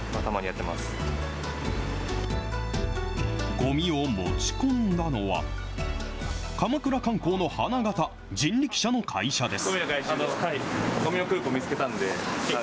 ごみを持ち込んだのは、鎌倉観光の花形、人力車の会社です。